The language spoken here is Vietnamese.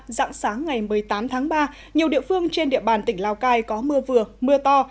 dạng sáng ngày một mươi tám tháng ba nhiều địa phương trên địa bàn tỉnh lào cai có mưa vừa mưa to